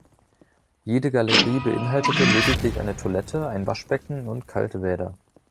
Jede Galerie beinhaltete lediglich eine Toilette, ein Waschbecken und kalte Bäder.